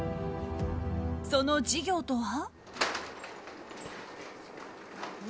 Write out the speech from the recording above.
その事業とは。